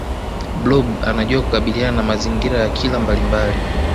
blob anajua kukabiliana na mazingira ya kila mbalimbali